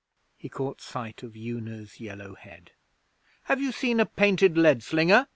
He caught sight of Una's yellow head. 'Have you seen a painted lead slinger?'